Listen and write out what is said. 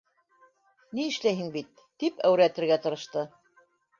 Ни эшләйһең бит, — тип әүрәтергә тырышты.